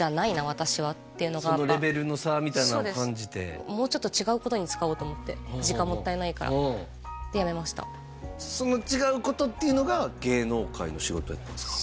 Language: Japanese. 私はっていうのがそのレベルの差みたいなのを感じてもうちょっと違うことに使おうと思って時間もったいないからでやめましたその違うことっていうのが芸能界の仕事やったんすか？